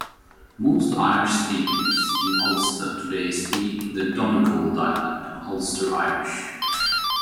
Most Irish speakers in Ulster today speak the Donegal dialect of Ulster Irish.